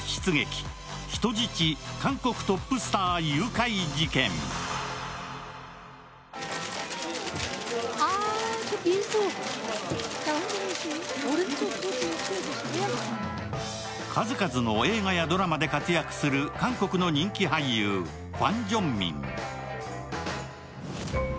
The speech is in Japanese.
まずは数々の映画やドラマで活躍する韓国の人気俳優、ファン・ジョンミン。